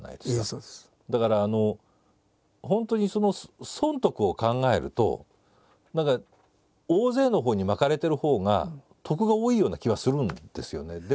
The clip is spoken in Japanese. だから本当に損得を考えると何か大勢のほうに巻かれてるほうが得が多いような気はするんですよね。